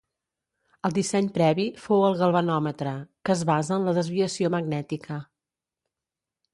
El disseny previ fou el galvanòmetre, que es basa en la desviació magnètica.